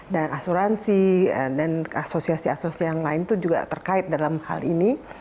dan asuransi dan asosiasi asosiasi yang lain itu juga terkait dalam hal ini